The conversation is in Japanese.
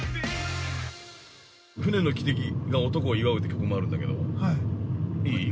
「船の汽笛が男を祝う」って曲もあるんだけど、いい？